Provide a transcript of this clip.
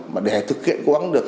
mà để thực hiện cố gắng được